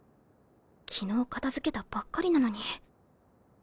昨日片付けたばっかりなのに。